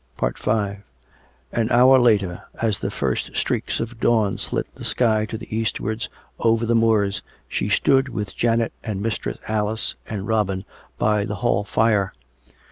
An hour later, as the first streaks of dawn slit the sky to the eastwards over the moors, she stood with Janet and Mistress Alice and Robin by the hall fire.